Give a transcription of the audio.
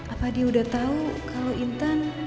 apa dia udah tau kalo intan